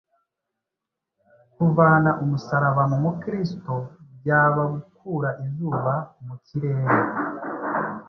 Kuvana umusaraba mu Mukristo byaba gukura izuba mu kirere.